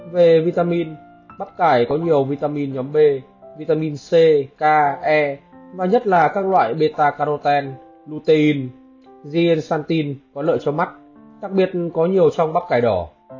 về vitamin bắp cải có nhiều vitamin nhóm b vitamin c k e và nhất là các loại beta carotene lutein dien xanthin có lợi cho mắt đặc biệt có nhiều trong bắp cải đỏ